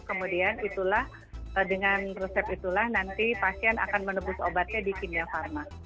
kemudian itulah dengan resep itulah nanti pasien akan menebus obatnya di kimia pharma